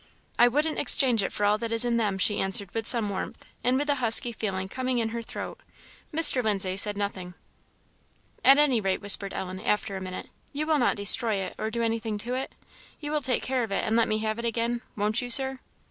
"I wouldn't exchange it for all that is in them!" she answered with some warmth, and with the husky feeling coming in her throat. Mr. Lindsay said nothing. "At any rate," whispered Ellen, after a minute, "you will not destroy it, or do anything to it? you will take care of it, and let me have it again, won't you, Sir?"